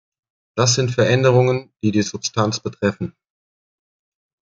Das sind Veränderungen, die die Substanz betreffen.